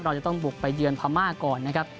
เราจะต้องบุกไปเยือนพม่าก่อนนะครับ